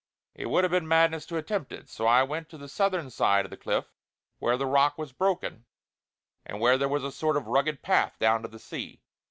It would have been madness to attempt it, so I went to the southern side of the cliff where the rock was broken, and where there was a sort of rugged path down to the sea.